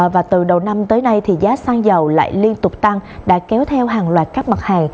và từ đầu năm tới nay thì giá xăng dầu lại liên tục tăng đã kéo theo hàng loạt các mặt hàng